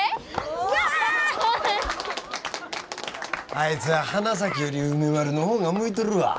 あいつは花咲より梅丸の方が向いとるわ。